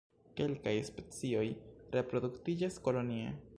Kelkaj specioj reproduktiĝas kolonie.